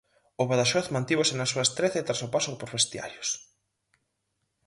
O Badaxoz mantívose nas súas trece tras o paso por vestiarios.